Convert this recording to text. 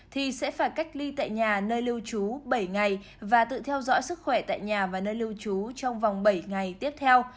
thì sẽ phải cách ly tại nhà nơi lưu trú bảy ngày và tự theo dõi sức khỏe tại nhà và nơi lưu trú trong vòng bảy ngày tiếp theo